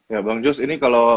ya bang jus ini kalau